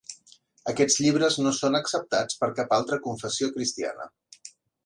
Aquests llibres no són acceptats per cap altra confessió cristiana.